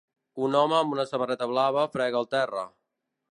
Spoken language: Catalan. Un home amb una samarreta blava frega el terra.